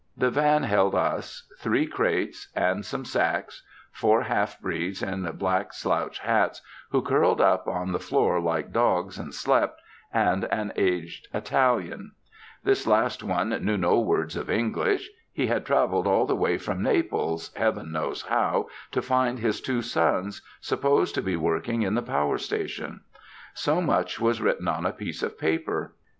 The van held us, three crates, and some sacks, four half breeds in black slouch hats, who curled up on the floor like dogs and slept, and an aged Italian. This last knew no word of English. He had travelled all the way from Naples, Heaven knows how, to find his two sons, supposed to be working in the power station. So much was written on a piece of paper.